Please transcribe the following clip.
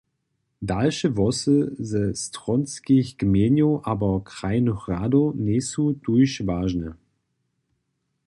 Dalše hłosy ze stronskich gremijow abo krajnych radow njejsu tuž wažne.